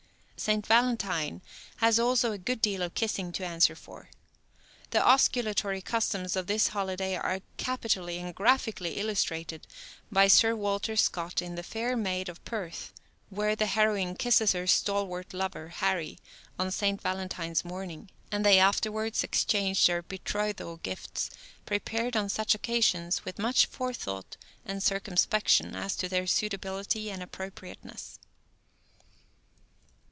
St. Valentine has also a good deal of kissing to answer for. The osculatory customs of this holiday are capitally and graphically illustrated by Sir Walter Scott in "The Fair Maid of Perth," where the heroine kisses her stalwart lover, Harry, on St. Valentine's morning, and they afterwards exchange their betrothal gifts prepared on such occasions with much forethought and circumspection as to their suitability and appropriateness.